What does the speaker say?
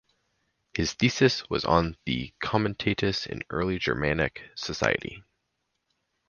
His thesis was on the comitatus in early Germanic society.